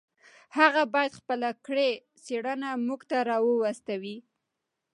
هغه باید خپله کړې څېړنه موږ ته راواستوي.